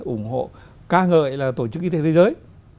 ủng hộ ca ngợi là tổ chức y tế thế giới